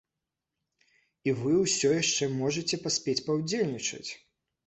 І вы ўсё яшчэ можаце паспець паўдзельнічаць!